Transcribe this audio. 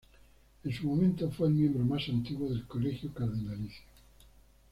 En su momento fue el miembro más antiguo del Colegio cardenalicio.